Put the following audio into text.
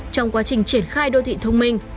trong quá trình triển khai đô thị thông minh